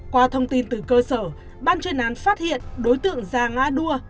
qua thông tin từ cơ sở ban chuyên án phát hiện đối tượng giàng a đua